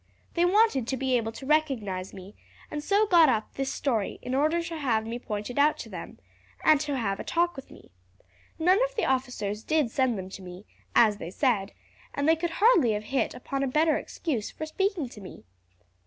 They wanted to be able to recognize me, and so got up this story in order to have me pointed out to them, and to have a talk with me. None of the officers did send them to me, as they said, and they could hardly have hit upon a better excuse for speaking to me."